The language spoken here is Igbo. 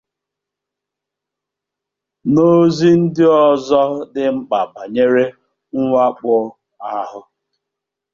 na ozi ndị ọzọ dị mkpà banyere mwakpò ahụ.